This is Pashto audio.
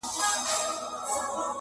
په يوه گړي كي جوړه هنگامه سوه !.